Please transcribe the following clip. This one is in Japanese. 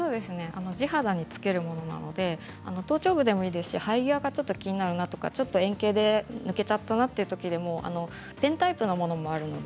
地肌に付けるものなので頭頂部でもいいですし生え際がちょっと気になるなとかちょっと円形で抜けちゃったなというときでもペンタイプのものもあるので